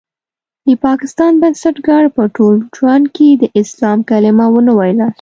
د پاکستان بنسټګر په ټول ژوند کې د اسلام کلمه ونه ويله.